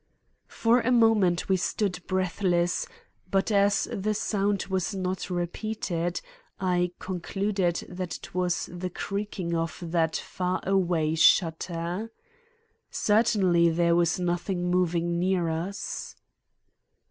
For a moment we stood breathless, but as the sound was not repeated I concluded that it was the creaking of that far away shutter. Certainly there was nothing moving near us.